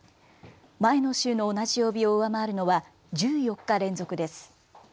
前の週の同じ曜日を上回るのは１４日連続です。